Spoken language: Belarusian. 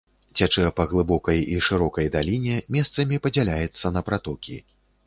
Цячэ па глыбокай і шырокай даліне, месцамі падзяляецца на пратокі.